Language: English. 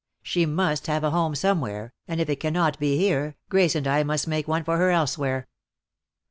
She must have a home somewhere, and if it cannot be here, Grace and I must make one for her elsewhere."